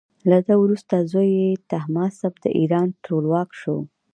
له ده وروسته زوی یې تهماسب د ایران ټولواک شو.